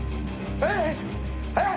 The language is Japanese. えっ！？